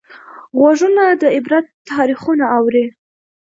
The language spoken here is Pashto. غوږونه د عبرت تاریخونه اوري